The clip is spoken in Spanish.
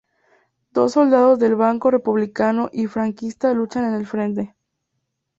Dos soldados del bando republicano y franquista luchan en el frente.